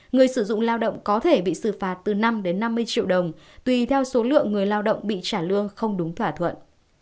người sử dụng lao động có thể bị xử phạt từ năm năm mươi triệu đồng tùy theo số lượng người lao động bị trả lương không đúng thỏa thuận